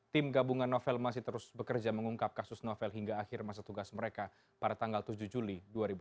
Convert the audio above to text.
tim gabungan novel masih terus bekerja mengungkap kasus novel hingga akhir masa tugas mereka pada tanggal tujuh juli dua ribu tujuh belas